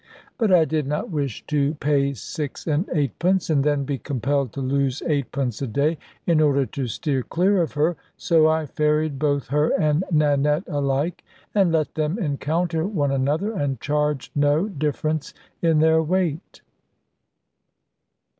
But I did not wish to pay six and eightpence, and then be compelled to lose eightpence a day, in order to steer clear of her. So I ferried both her and Nanette alike, and let them encounter one another, and charged no difference in their weight.